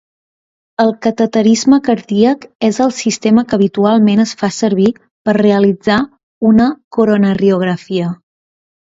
El cateterisme cardíac és el sistema que habitualment es fa servir per realitzar una coronariografia.